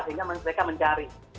sehingga mereka mencari